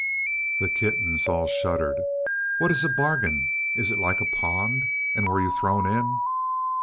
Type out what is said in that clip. '" The kittens all shuddered. "What is a bargain? Is it like a pond? And were you thrown in?"